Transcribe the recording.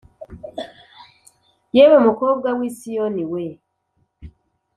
Yewe mukobwa w’i Siyoni we,